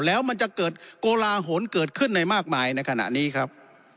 แล้วมันจะเกิดโกลาหลเกิดขึ้นในมากมายในขณะนี้ครับ